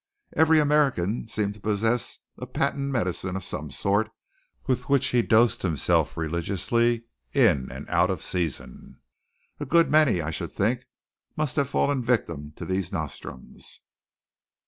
Every American seemed to possess a patent medicine of some sort with which he dosed himself religiously in and out of season. A good many, I should think, must have fallen victims to these nostrums.